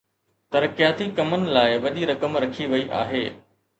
ترقياتي ڪمن لاءِ وڏي رقم رکي وئي آهي